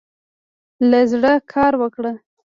له زړۀ کار وکړه.